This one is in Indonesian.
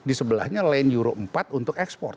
di sebelahnya line euro empat untuk ekspor